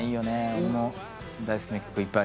俺も大好きな曲いっぱい。